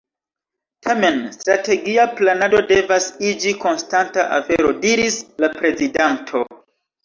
Tamen strategia planado devas iĝi konstanta afero, diris la prezidanto.